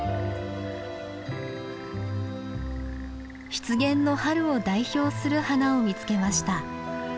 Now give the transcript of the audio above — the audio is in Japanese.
湿原の春を代表する花を見つけました。